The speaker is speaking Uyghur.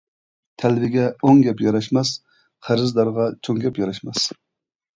تەلۋىگە ئوڭ گەپ ياراشماس، قەرزدارغا چوڭ گەپ ياراشماس.